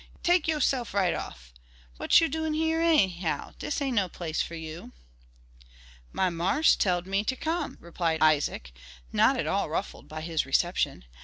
Take yo'sef right off! What yer doin' hyar, enyhow? Dis ain't no place for you." "My marse tell'd me ter come," replied Isaac, not at all ruffled by his reception.